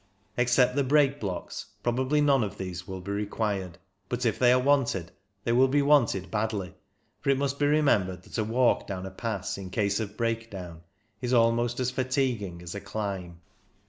Except the brake blocks, probably none of these will be required ; but if they are wanted, they will be wanted badly, for it must be remem bered that a walk down a pass, in case of breakdown, is almost as fatiguing as a climb.